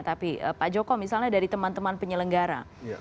tapi pak joko misalnya dari teman teman penyelenggara